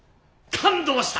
感動した！